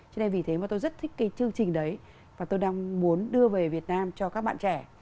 cho nên vì thế mà tôi rất thích cái chương trình đấy và tôi đang muốn đưa về việt nam cho các bạn trẻ